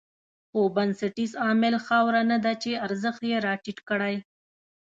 خو بنسټیز عامل خاوره نه ده چې ارزښت یې راټيټ کړی.